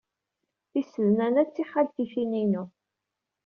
Tisednan-a d tixaltitin-inu.